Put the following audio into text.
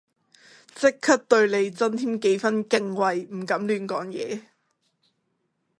即刻對你增添幾分敬畏唔敢亂講嘢